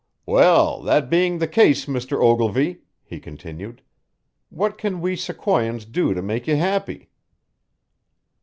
"Well, that being the case, Mr. Ogilvy," he continued, "what can we Sequoians do to make you happy?"